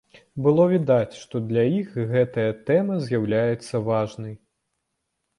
Было відаць, што для іх гэтая тэма з'яўляецца важнай.